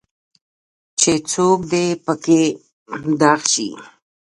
چې څوک دي پکې دغ شي.